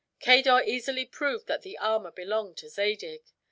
Cador easily proved that the armor belonged to Zadig.